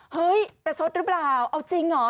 เฮ้ยประชดหรือเปล่าเอาจริงเหรอ